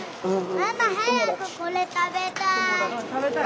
ママ早くこれ食べたい。